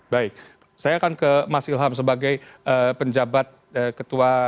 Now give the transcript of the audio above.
baik saya akan ke mas ilham sebagai penjabat ketua